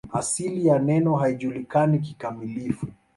Asili ya neno haijulikani kikamilifu.